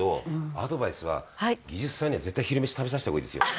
アドバイスは技術さんには絶対昼飯食べさせたほうがいいですよ。